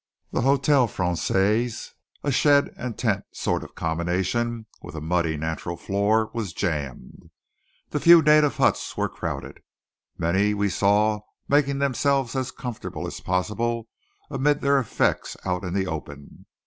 The Hotel Française a shed and tent sort of combination with a muddy natural floor was jammed. The few native huts were crowded. Many we saw making themselves as comfortable as possible amid their effects out in the open.